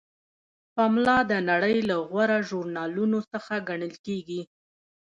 پملا د نړۍ له غوره ژورنالونو څخه ګڼل کیږي.